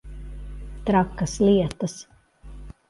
Trakas lietas.